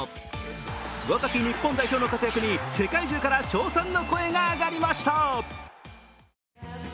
若き日本代表の活躍に世界中から称賛の声が上がりました。